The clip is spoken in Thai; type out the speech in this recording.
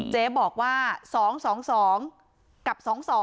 เจ๊บอกว่า๒๒๒กับ๒๒